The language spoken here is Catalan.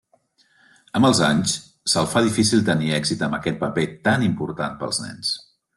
Amb els anys, se'l fa difícil tenir èxit amb aquest paper tan important pels nens.